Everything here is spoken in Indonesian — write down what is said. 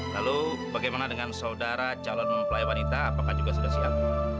lalu bagaimana dengan saudara calon mempelai wanita apakah juga sudah siap